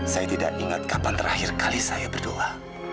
saya tidak ingat kapan terakhir kali saya berdoa